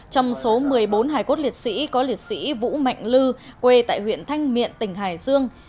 trong số một mươi bốn hải cốt liệt sĩ có liệt sĩ vũ mạnh lư quê tại huyện thanh miện tỉnh hải dương